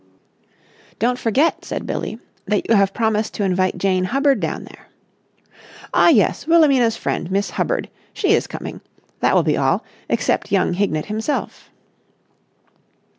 "Don't forget," said Billie, "that you have promised to invite Jane Hubbard down there." "Ah, yes. Wilhelmina's friend, Miss Hubbard. She is coming. That will be all, except young Hignett himself."